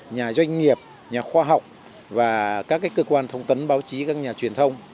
nhà doanh nghiệp nhà khoa học và các cơ quan thông tấn báo chí các nhà truyền thông